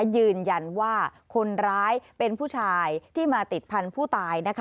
ยืนยันว่าคนร้ายเป็นผู้ชายที่มาติดพันธุ์ผู้ตาย